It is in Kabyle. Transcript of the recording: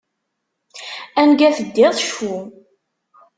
Anga teddiḍ, cfu.